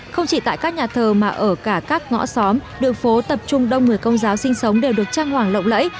không chỉ tại các nhà thờ mà ở cả các ngõ xóm đường phố tập trung đông người công giáo sinh sống đều được trang hoàng lộng lẫy